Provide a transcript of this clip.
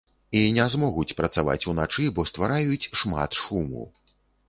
І не змогуць працаваць уначы, бо ствараюць шмат шуму!